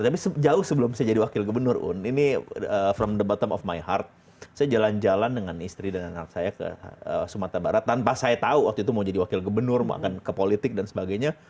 tapi jauh sebelum saya jadi wakil gubernur ini dari dalam hati saya saya jalan jalan dengan istri dan anak saya ke sumatera barat tanpa saya tahu waktu itu mau jadi wakil gubernur mau ke politik dan sebagainya